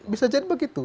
bisa jadi begitu